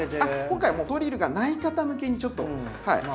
今回もうドリルがない方むけにちょっと。